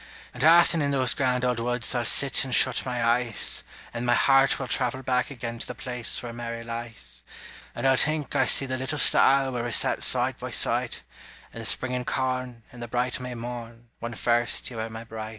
And often in those grand old woods I'll sit, and shut my eyes, And my heart will travel back again To the place where Mary lies; And I'll think I see the little stile Where we sat side by side, And the springin' corn, and the bright May morn, When first you were my bride.